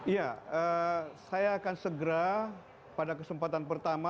ya saya akan segera pada kesempatan pertama